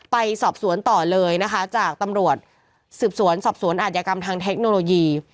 ไปสอบสวนต่อเลยนะคะจากตำรวจสืบสวนสอบสวนอาจยากรรมทางเทคโนโลยี